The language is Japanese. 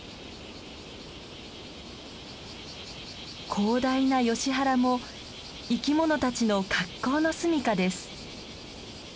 広大なヨシ原も生き物たちの格好の住みかです。